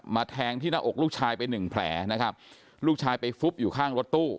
แทงที่หน้าอกลูกชายไปหนึ่งแผลนะครับลูกชายไปฟุบอยู่ข้างรถตู้